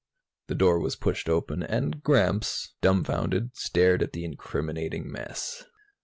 The door was pushed open, and Gramps, dumbfounded, stared at the incriminating mess.